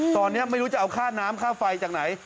ตอนนี้ไม่รู้จะเอาค่าน้ำค่าไฟจากไหน